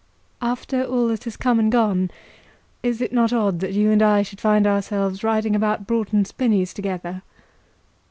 "After all that has come and gone, is it not odd that you and I should find ourselves riding about Broughton Spinnies together?"